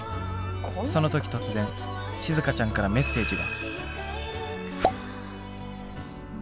その時突然しずかちゃんからメッセージが。